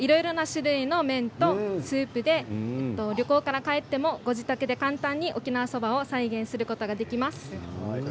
いろいろな種類の麺とスープで旅行から帰ってもご自宅で簡単に沖縄そばを再現することができます。